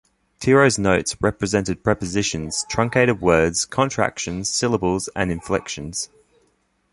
Tiro's notes represented prepositions, truncated words, contractions, syllables, and inflections.